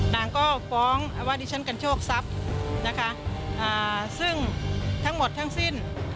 นางก็ฟ้องว่าดิฉันกันโชคทรัพย์นะคะซึ่งทั้งหมดทั้งสิ้น